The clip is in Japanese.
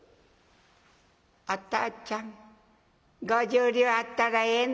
「お父ちゃん５０両あったらええの？」。